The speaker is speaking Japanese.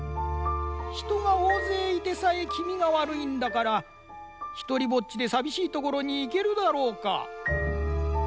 「ひとがおおぜいいてさえきみがわるいんだからひとりぼっちでさびしいところにいけるだろうか？」。